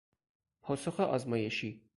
پاسخ آزمایشی